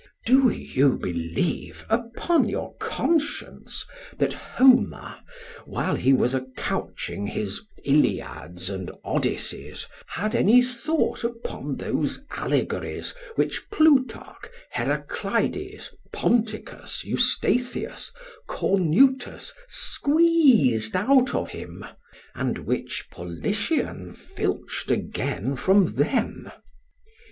Do you believe, upon your conscience, that Homer, whilst he was a couching his Iliads and Odysses, had any thought upon those allegories, which Plutarch, Heraclides Ponticus, Eustathius, Cornutus squeezed out of him, and which Politian filched again from them?